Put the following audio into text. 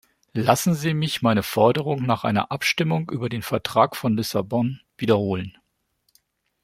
Lassen Sie mich meine Forderung nach einer Abstimmung über den Vertrag von Lissabon wiederholen.